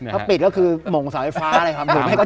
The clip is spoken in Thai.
ถ้าผิดก็คือมงสารไฟฟ้า